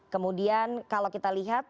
kemudian kalau kita lihat